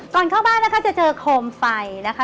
ก่อนเข้าบ้านนะคะจะเจอโคมไฟนะคะ